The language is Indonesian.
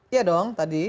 iya dong tadi